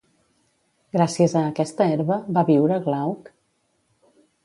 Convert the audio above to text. Gràcies a aquesta herba, va viure Glauc?